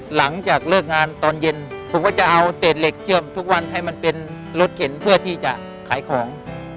หลังจากเลิกงานตอนเย็นผมก็จะเอาเศษเหล็กเชื่อมทุกวันให้มันเป็นรถเข็นเพื่อที่จะขายของ